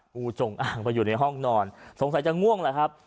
งูจงอ่างไปอยู่ในห้องนอนสงสัยจะง่วงแหละครับ